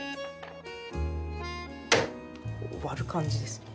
割る感じですね。